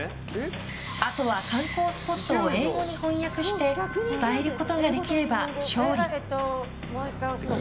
あとは観光スポットを英語に翻訳して伝えることができれば勝利。